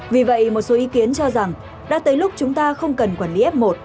vì vậy một số ý kiến cho rằng đã tới lúc chúng ta không cần quản lý f một